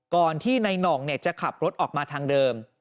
ก่อนที่ในหนองเนี่ยจะขับรถออกมาทางเดิม